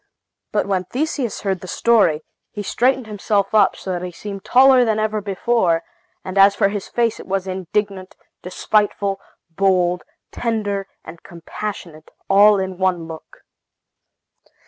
But when Theseus heard the story, he straightened himself up, so that he seemed taller than ever before; and as for his face it was indignant, despiteful, bold, tender, and compassionate, all in one look.